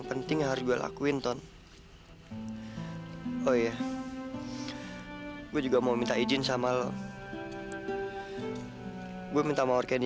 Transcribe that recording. kisah itu adalah apa kle